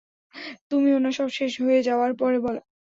তুমিও না, সব শেষ হয়ে যাওয়ার পরে বলো।